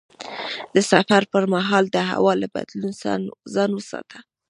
د سفر پر مهال د هوا له بدلون ځان وساته.